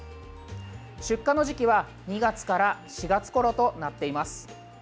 出荷の時期は２月から４月ごろとなっています。